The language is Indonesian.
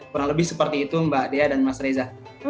kurang lebih seperti itu mbak dea dan mas reza